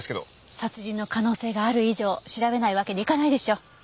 殺人の可能性がある以上調べないわけにいかないでしょ。